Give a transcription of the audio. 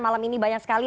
malam ini banyak sekali